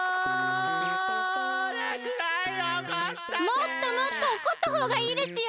もっともっとおこったほうがいいですよ！